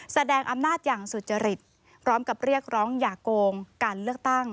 แสดงอำนาจอย่างสุจริตพร้อมกับเรียกร้องอย่าโกงการเลือกตั้ง